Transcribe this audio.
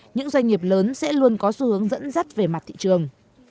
những doanh nghiệp lớn sẽ luôn có xu hướng dẫn dắt về mặt thị trường